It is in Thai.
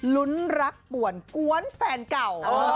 ลุ้นรักป่วนกวนแฟนเก่า